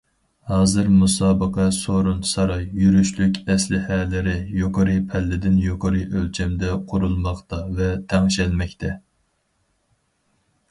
ھازىر مۇسابىقە سورۇن- ساراي، يۈرۈشلۈك ئەسلىھەلىرى يۇقىرى پەللىدىن يۇقىرى ئۆلچەمدە قۇرۇلماقتا ۋە تەڭشەلمەكتە.